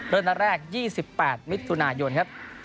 เริ่มตั้งแต่แรก๒๘มิตรทุนายนครับ